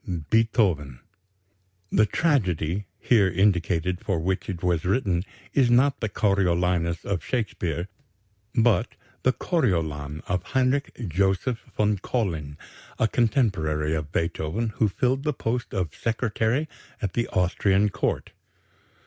Beethoven_." The "tragedy" here indicated for which it was written is not the "Coriolanus" of Shakespeare, but the "Coriolan" of Heinrich Joseph von Collin, a contemporary of Beethoven, who filled the post of Secretary at the Austrian Court.